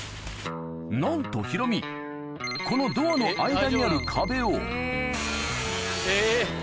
なんとヒロミこのドアの間にある壁をえっ！